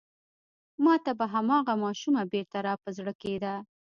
ما ته به هماغه ماشومه بېرته را په زړه کېده.